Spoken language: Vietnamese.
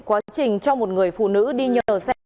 quá trình cho một người phụ nữ đi nhờ xe